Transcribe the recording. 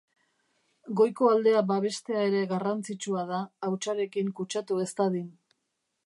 Goiko aldea babestea ere garrantzitsua da hautsarekin kutsatu ez dadin.